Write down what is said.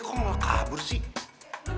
kok kabur sih